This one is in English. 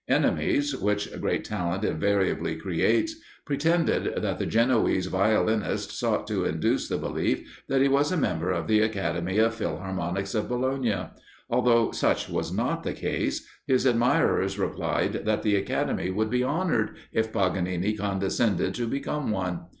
Enemies, which great talent invariably creates, pretended that the Genoese violinist sought to induce the belief that he was a member of the Academy of Philharmonics of Bologna; although such was not the case, his admirers replied that the Academy would be honoured if Paganini condescended to become one.